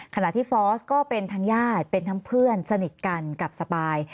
ขณะที่ฟอร์สก็เป็นทั้งญาติเป็นทั้งเพื่อนสนิทกันกับสปาย